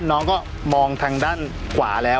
น้องก็มองทางด้านขวาแล้ว